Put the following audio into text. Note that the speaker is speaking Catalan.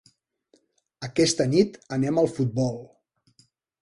Aquesta nit anem al futbol.